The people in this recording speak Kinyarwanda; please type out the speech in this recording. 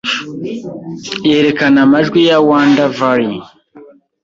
yerekana amajwi ya Wonder Valley